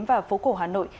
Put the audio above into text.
và phố cổ hà nội